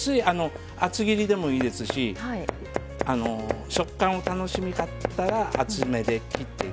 厚切りでもいいですし食感を楽しみたかったら厚めで切って頂いて。